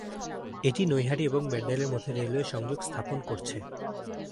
এটি নৈহাটি এবং ব্যান্ডেল এর মধ্যে রেলওয়ে সংযোগ স্থাপন করছে।